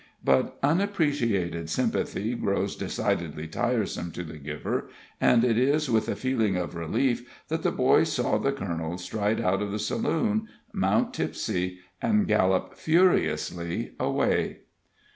But unappreciated sympathy grows decidedly tiresome to the giver, and it was with a feeling of relief that the boys saw the colonel stride out of the saloon, mount Tipsie, and gallop furiously away.